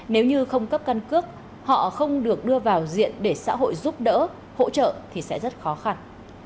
nếu như không cấp căn cước họ không được đưa vào diện để xã hội giúp đỡ hỗ trợ thì sẽ rất khó khăn